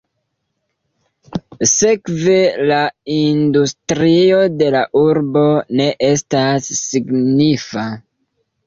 Sekve la industrio de la urbo ne estas signifa.